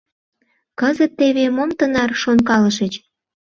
Кызыт теве мом тынар шонкалышыч?